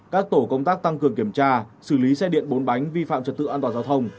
các tổ công tác tăng cường kiểm tra xử lý xe điện bốn bánh vi phạm trật tự an toàn giao thông